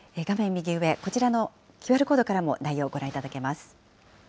右上、こちらのＱＲコードからも内容ご覧いただけます。